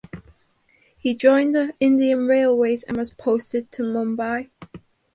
He joined the Indian Railways and was posted to Mumbai.